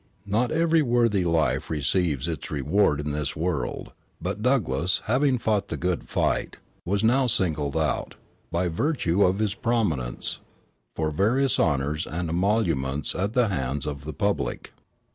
Not every worthy life receives its reward in this world; but Douglass, having fought the good fight, was now singled out, by virtue of his prominence, for various honors and emoluments at the hands of the public.